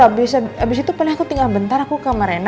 abis itu paling aku tinggal bentar aku ke kamar reina